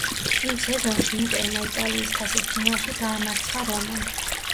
იმ სეზონში ინტერმა იტალიის თასის ფინალში დაამარცხა „რომა“.